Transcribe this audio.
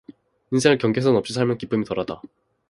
인생을 경계선 없이 살면 기쁨이 덜하다.